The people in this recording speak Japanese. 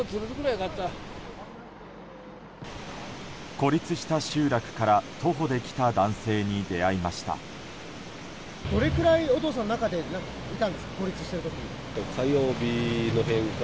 孤立した集落から徒歩で来た男性に出会いました。